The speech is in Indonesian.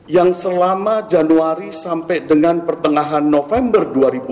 yang selama januari sampai dengan pertengahan november dua ribu dua puluh